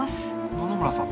野々村さん。